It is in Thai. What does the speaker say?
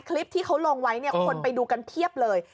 คลิปที่เขาลงไว้เนี่ยคนไปดูกันเพียบเลย